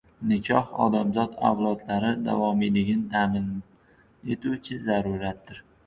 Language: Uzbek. Nikoh odamzod avlodlari davomiyligini ta’min etuvchi zaruratdir.